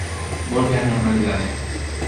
Volve a normalidade.